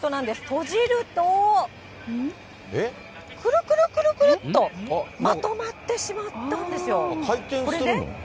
閉じると、くるくるくるくるっと、まとまってしまったんですよ。